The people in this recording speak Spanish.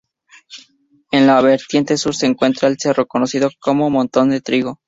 En la vertiente sur se encuentra el cerro conocido como Montón de Trigo.